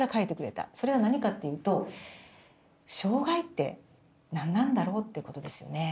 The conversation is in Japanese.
それは何かっていうと障害って何なんだろうってことですよね。